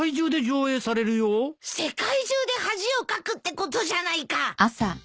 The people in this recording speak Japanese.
世界中で恥をかくってことじゃないか！